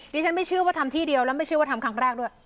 ดิฉันไม่เชื่อว่าทำที่เดียวแล้วไม่เชื่อว่าทำครั้งแรกด้วย